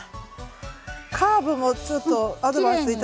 カーブもちょっとアドバイス頂いたから。